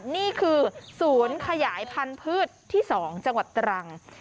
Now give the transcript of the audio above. นี่คือศูนย์ขยายพันธุ์พืชที่๒จังหวัดตรัง